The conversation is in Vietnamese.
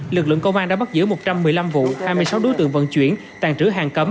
lực lượng công an đã bắt giữ một trăm một mươi năm vụ hai mươi sáu đối tượng vận chuyển tàn trữ hàng cấm